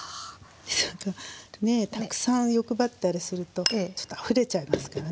たくさん欲張ったりするとちょっとあふれちゃいますからね。